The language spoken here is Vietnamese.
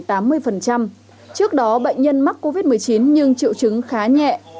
trước đó bệnh nhân mắc covid một mươi chín nhưng triệu chứng khá nhẹ